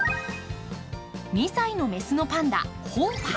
２歳の雌のパンダ、ホーファ。